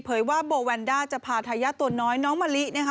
ว่าโบแวนด้าจะพาทายาทตัวน้อยน้องมะลิ